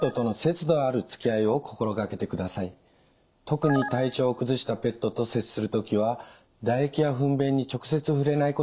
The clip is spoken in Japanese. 特に体調を崩したペットと接する時は唾液やふん便に直接触れないことが重要です。